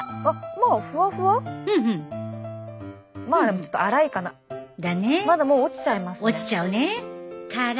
もう落ちちゃいますね。